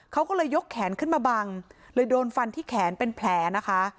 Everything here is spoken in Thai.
เขาก็เลยยกแขนขึ้นมาบังเลยโดนฟันที่แขนเป็นแผลนะคะ